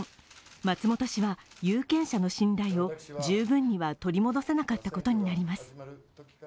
松本氏は有権者の信頼を十分には取り戻せなかったことになります。